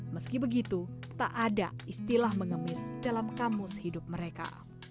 meski begitu tak ada istilah mengemis dalam kamus hidup mereka